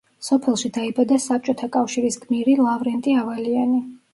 სოფელში დაიბადა საბჭოთა კავშირის გმირი ლავრენტი ავალიანი.